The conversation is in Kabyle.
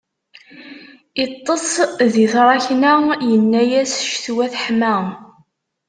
Iṭṭes di tṛakna, yenna-as ccetwa teḥma.